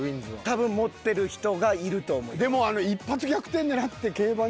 多分持ってる人がいると思います。